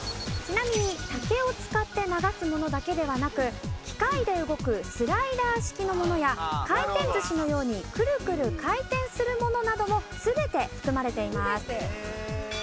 ちなみに竹を使って流すものだけではなく機械で動くスライダー式のものや回転ずしのようにクルクル回転するものなども全て含まれています。